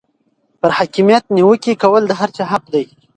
پر حاکمیت نیوکې کول د هر چا حق دی.